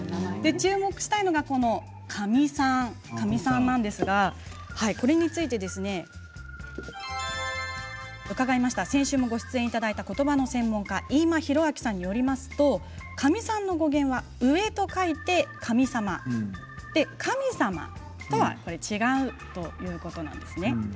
注目したいのがかみさんなんですがこれについて先週もご出演いただいたことばの専門家、飯間浩明さんによりますとかみさんの語源は上と書いて上様神様とは違うということなんですね。